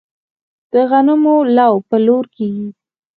د غنمو لو په لور کیږي.